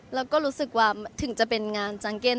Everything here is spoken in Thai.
แล้วก็รู้สึกว่าถึงจะเป็นงานจังเก็ต